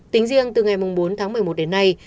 tính riêng từ ngày bốn tháng một mươi một đến nay